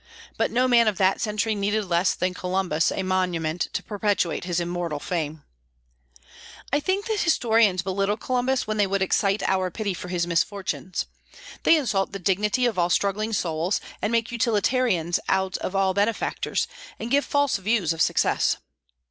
But no man of that century needed less than Columbus a monument to perpetuate his immortal fame. I think that historians belittle Columbus when they would excite our pity for his misfortunes. They insult the dignity of all struggling souls, and make utilitarians of all benefactors, and give false views of success.